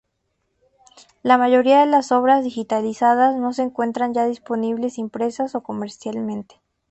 La mayoría de las obras digitalizadas no se encuentran ya disponibles impresas o comercialmente.